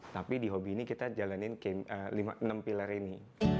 tapi di hobi ini kita jalanin enam pilar ini